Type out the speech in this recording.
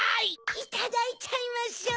いただいちゃいましょう！